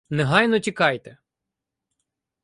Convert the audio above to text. Негайно тікайте.